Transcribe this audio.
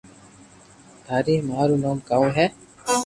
: ٿاري مان رو نوم ڪاؤ ھي